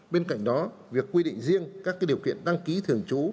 bên cạnh đó việc quy định riêng các điều kiện đăng ký thường trú